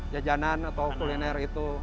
jajanan atau kuliner itu